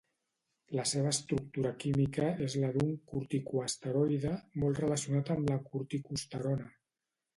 La seva estructura química és la d'un corticoesteroide molt relacionat amb la corticosterona.